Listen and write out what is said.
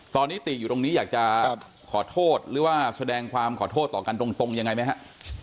ตอนนี้ติอยู่ตรงนี้อยากจะขอโทษหรือว่าแสดงความขอโทษต่อกันตรงยังไงไหมฮะ